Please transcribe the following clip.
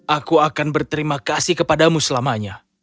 aku akan berterima kasih kepadamu selamanya